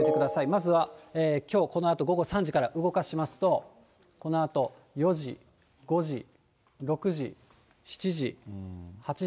まずは、きょうこのあと午後３時から、動かしますと、このあと、４時、５時、６時、７時、８時、９時、１０時。